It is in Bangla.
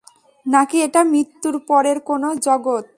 নাকি এটা মৃত্যুর পরের কোনো জগৎ?